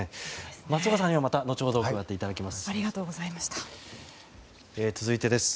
松岡さんにはまた後ほど加わっていただきます。